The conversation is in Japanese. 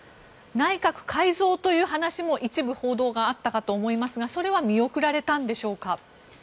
内閣改造という話も一部報道があったかと思いますがそれは見送られたんでしょうか。